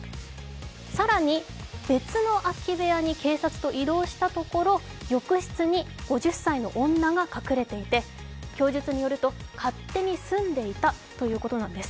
更に、別の空き部屋に警察と移動したところ、浴室に５０歳の女が隠れていて供述によると、勝手に住んでいたということなんです。